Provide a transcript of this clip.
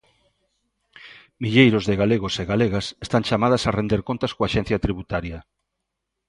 Milleiros de galegos e galegas están chamadas a render contas coa Axencia Tributaria.